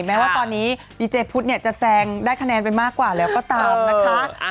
แม้ว่าตอนนี้ดีเจพุทธเนี่ยจะแซงได้คะแนนไปมากกว่าแล้วก็ตามนะคะ